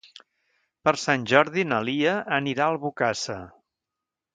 Per Sant Jordi na Lia anirà a Albocàsser.